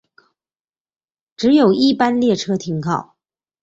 只有一般列车停靠。